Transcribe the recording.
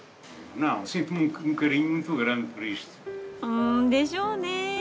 うんでしょうね。